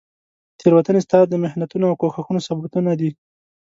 تیروتنې ستا د محنتونو او کوښښونو ثبوتونه دي.